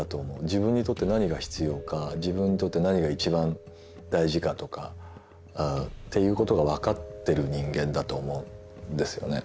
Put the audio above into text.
自分にとって何が必要か自分にとって何が一番大事かとかっていうことが分かってる人間だと思うんですよね。